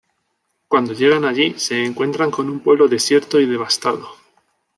Cuando llegan allí, se encuentran con un pueblo desierto y devastado.